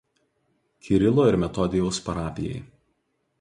Kirilo ir Metodijaus parapijai.